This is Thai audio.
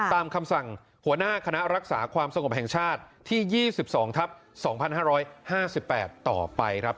คำสั่งหัวหน้าคณะรักษาความสงบแห่งชาติที่๒๒ทับ๒๕๕๘ต่อไปครับ